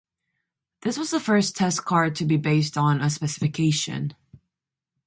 This was the first test card to be based on a specification.